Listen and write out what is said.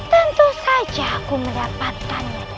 tentu saja aku mendapatkannya